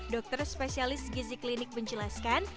dokter spesialis gizi klinik menjelaskan